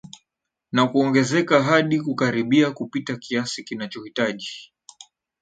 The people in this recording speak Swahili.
Na kuogezeka hadi kukaribia kupita kiasi kinachohitaji